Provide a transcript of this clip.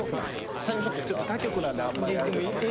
ちょっと他局なんであんまりあれですけど。